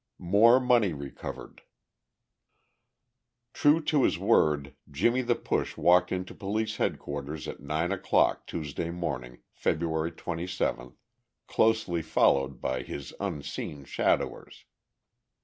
More Money Recovered True to his word, "Jimmie the Push" walked into Police Headquarters at nine o'clock Tuesday morning, February 27, closely followed by his unseen shadowers.